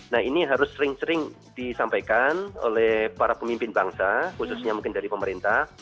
nah ini harus sering sering disampaikan oleh para pemimpin bangsa khususnya mungkin dari pemerintah